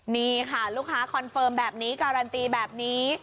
นี่ค่ะลูกค้าคอนเฟิร์มแบบนี้การันตีแบบนี้